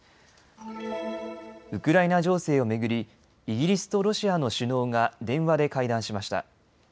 ウクライナ情勢を巡り、イギリスとロシアの首脳が電話で会談しました。